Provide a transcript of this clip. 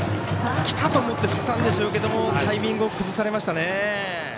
きた！と思って振ったんでしょうけどタイミングをくずされましたね。